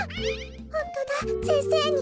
ホントだ先生に。